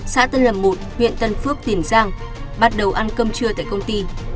xã tân lầm một huyện tân phước tiền giang bắt đầu ăn cơm trưa tại công ty